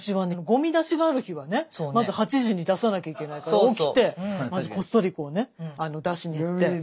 ごみ出しがある日はねまず８時に出さなきゃいけないから起きてこっそりこうね出しに行って。